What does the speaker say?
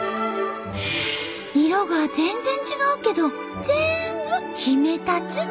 色が全然違うけど全部ヒメタツ。